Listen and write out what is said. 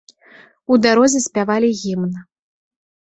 У дарозе спявалі гімн.